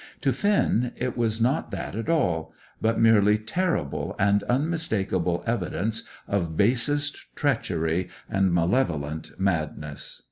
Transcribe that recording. To Finn it was not that at all; but merely terrible and unmistakable evidence of basest treachery and malevolent madness.